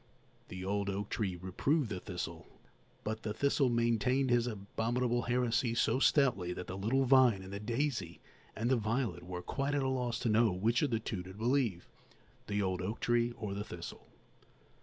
The old oak tree reproved the thistle; but the thistle maintained his abominable heresy so stoutly that the little vine and the daisy and the violet were quite at a loss to know which of the two to believe, the old oak tree or the thistle.